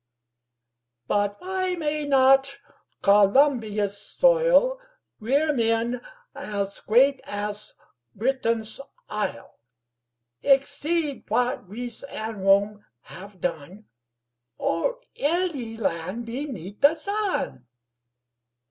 But why may not Columbia's soil Rear men as great as Britain's Isle, Exceed what Greece and Rome have done Or any land beneath the sun?